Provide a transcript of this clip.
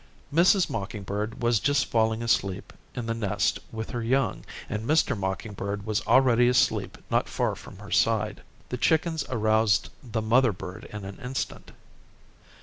Mrs. Mocking Bird was just falling asleep in the nest with her young, and Mr. Mocking Bird was already asleep not far from her side. The chickens aroused the mother bird in an instant.